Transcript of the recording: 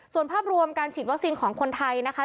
ส่วนภาพรวมการฉีดวัคซีนของคนไทยนะคะ